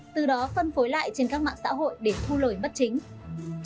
từ đó phân phối lại trên các mạng xã hội để thu lời bất chính